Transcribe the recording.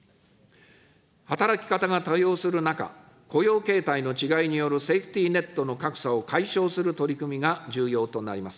働き方が多様する中、雇用形態の違いによるセーフティネットの格差を解消する取り組みが重要となります。